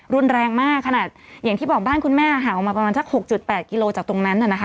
รุนแรงมากขนาดอย่างที่บอกบ้านคุณแม่ห่างออกมาประมาณสัก๖๘กิโลจากตรงนั้นน่ะนะคะ